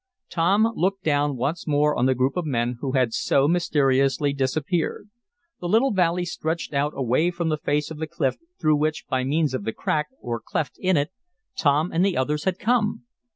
Tom looked down once more on the group of men who had so mysteriously disappeared. The little valley stretched out away from the face of the cliff, through which, by means of the crack, or cleft in it, Tom and the others had come.